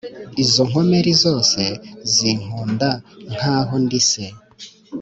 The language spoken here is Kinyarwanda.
izo nkomeri zose zinkunda nk'aho ndi se.